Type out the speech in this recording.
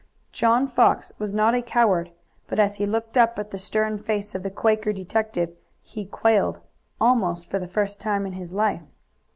John Fox was not a coward, but as he looked up at the stern face of the Quaker detective he quailed, almost for the first time in his life.